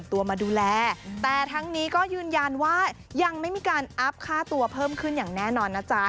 ตัวมาดูแลแต่ทั้งนี้ก็ยืนยันว่ายังไม่มีการอัพค่าตัวเพิ่มขึ้นอย่างแน่นอนนะจ๊ะ